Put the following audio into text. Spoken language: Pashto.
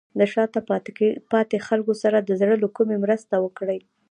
د شاته پاتې خلکو سره د زړه له کومې مرسته وکړئ.